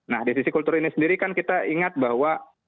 nah di sisi kultur ini sendiri kan kita ingat bahwa